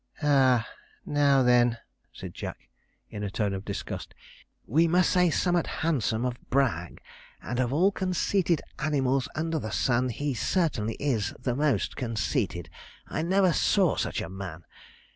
'Ah! now, then,' said Jack, in a tone of disgust, 'we must say summut handsome of Bragg; and of all conceited animals under the sun, he certainly is the most conceited. I never saw such a man!